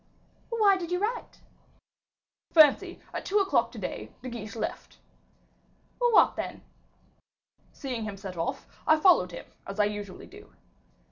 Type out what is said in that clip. "Why did you write?" "Fancy, at two o'clock to day, De Guiche left." "What then?" "Seeing him set off, I followed him, as I usually do."